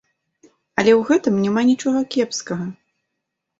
Але ў гэтым няма нічога кепскага.